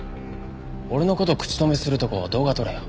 俺の事口止めするとこ動画撮れよ。